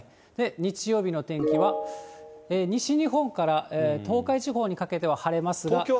日曜日の天気は、西日本から東海地方にかけては、晴れますが。